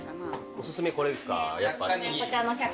おすすめこれですか？